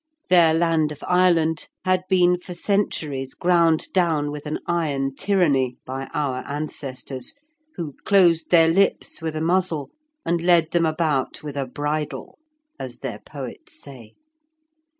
Their land of Ireland had been for centuries ground down with an iron tyranny by our ancestors, who closed their lips with a muzzle, and led them about with a bridle, as their poets say.